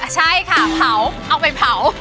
ใช่ค่ะเผาเอาไปเผา